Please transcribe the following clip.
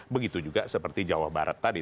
begitu juga seperti jawa barat tadi